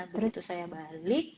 begitu saya balik